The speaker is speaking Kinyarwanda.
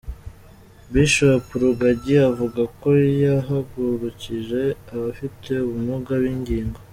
Bishop Rugagi avuga ko yahagurukije abafite ubumuga bw’ingingo.